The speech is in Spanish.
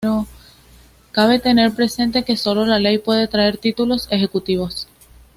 Cabe tener presente que sólo la ley puede crear títulos ejecutivos.